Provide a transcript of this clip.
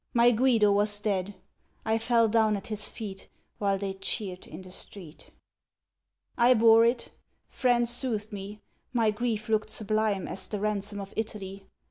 My Guido was dead! I fell down at his feet, While they cheered in the street. I bore it; friends soothed me: my grief looked sublime As the ransom of Italy.